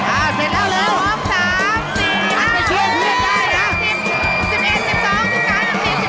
อ่าเสร็จแล้วเร็วหันไปช่วยเพื่อนได้นะสิบสิบเอ็ดสิบสองสิบสามสิบสี่สิบห้า